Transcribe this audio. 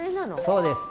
そうです。